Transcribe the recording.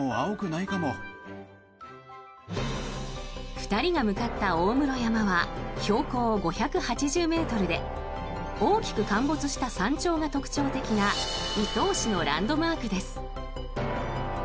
２人が向かった大室山は標高５８０ｍで大きく陥没した山頂が特徴的な伊東市のランドマークです。